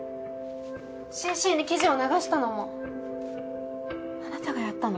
『ＣＣ』に記事を流したのもあなたがやったの？